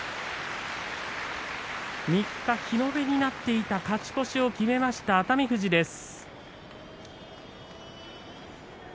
３日、日延べになっていた勝ち越しを決めました熱海富士です。